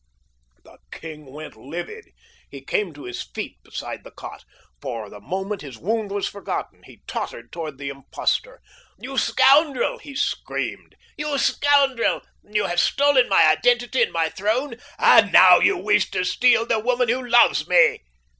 The king went livid. He came to his feet beside the cot. For the moment, his wound was forgotten. He tottered toward the impostor. "You scoundrel!" he screamed. "You scoundrel! You have stolen my identity and my throne and now you wish to steal the woman who loves me."